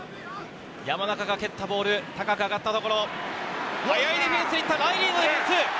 山中が蹴ったボール、高く上がったところ、速いディフェンス、新田、ライリーが行く。